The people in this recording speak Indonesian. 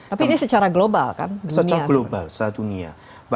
tapi ini secara global kan secara global secara dunia